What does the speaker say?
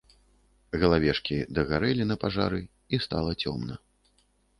Галавешкі дагарэлі на пажары, і стала цёмна.